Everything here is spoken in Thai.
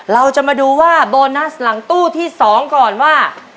เราจะมาดูว่าโบนัสหลังตู้ที่๒ก่อนว่า